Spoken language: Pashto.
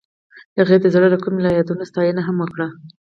هغې د زړه له کومې د یادونه ستاینه هم وکړه.